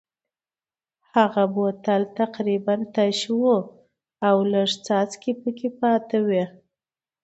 هغه بوتل تقریبا تش و او لږې څاڅکې پکې پاتې وې.